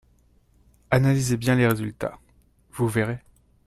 Analysez bien les résultats, vous verrez.